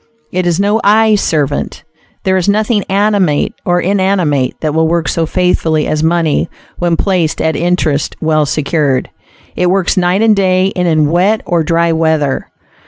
It is no "eye servant." There is nothing animate or inanimate that will work so faithfully as money when placed at interest, well secured. It works night and day, and in wet or dry weather.